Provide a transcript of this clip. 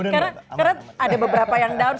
karena ada beberapa yang down